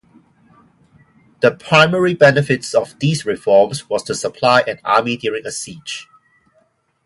The primary benefits of these reforms was to supply an army during a siege.